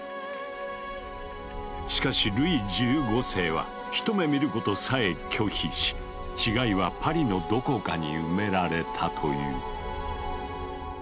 しかしルイ１５世は一目見ることさえ拒否し死骸はパリのどこかに埋められたという。